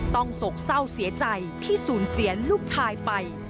โศกเศร้าเสียใจที่สูญเสียลูกชายไป